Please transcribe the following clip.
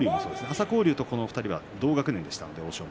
朝紅龍とこの２人は同学年でした。